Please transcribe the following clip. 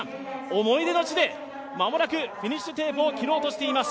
思い出の地で今、フィニッシュテープを切ろうとしています。